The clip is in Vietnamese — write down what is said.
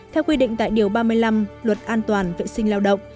theo quy định tại điều ba mươi năm luật an toàn vệ sinh lao động